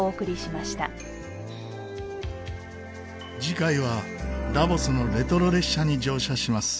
次回はダボスのレトロ列車に乗車します。